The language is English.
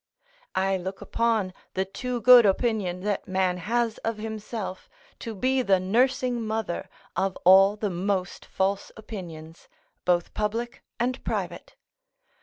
I look upon the too good opinion that man has of himself to be the nursing mother of all the most false opinions, both public and private.